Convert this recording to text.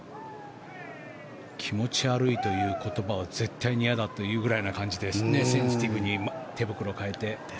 気持ち悪いという言葉は絶対に嫌だという感じでセンシティブに手袋を変えて。